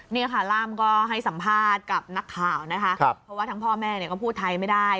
นี่ค่ะร่ามก็ให้สัมภาษณ์กับนักข่าวนะคะเพราะว่าทั้งพ่อแม่เนี่ยก็พูดไทยไม่ได้